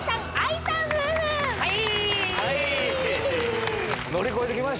はい！